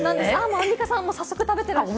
アンミカさん早速、食べてらっしゃる。